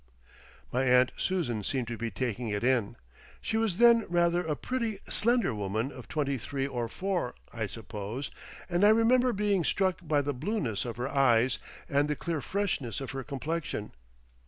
My aunt Susan seemed to be taking it in. She was then rather a pretty slender woman of twenty three or four, I suppose, and I remember being struck by the blueness of her eyes and the clear freshness of her complexion.